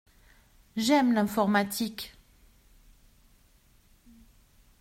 J’aime l’informatique.